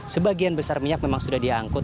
sebagian besar minyak memang sudah diangkut